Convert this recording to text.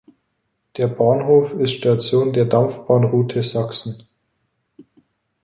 Der Bahnhof ist Station der Dampfbahn-Route Sachsen.